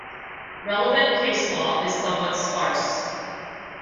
Relevant case law is somewhat sparse.